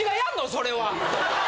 それは。